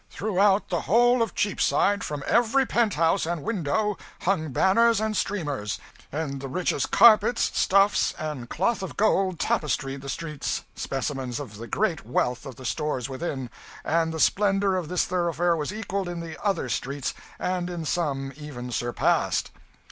'Throughout the whole of Cheapside, from every penthouse and window, hung banners and streamers; and the richest carpets, stuffs, and cloth of gold tapestried the streets specimens of the great wealth of the stores within; and the splendour of this thoroughfare was equalled in the other streets, and in some even surpassed.